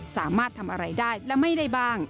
สามารถทำอะไรได้และไม่ได้บ้าง